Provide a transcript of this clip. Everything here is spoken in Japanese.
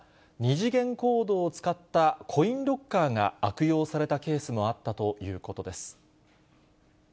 ２次元コードを使ったコインロッカーが悪用されたケースもあったということです。